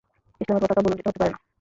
ইসলামের পতাকা ভূলুণ্ঠিত হতে পারে না।